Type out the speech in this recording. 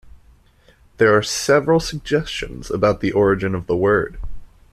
There are several suggestions about the origin of the word.